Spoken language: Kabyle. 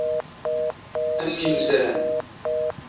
A mm imezran!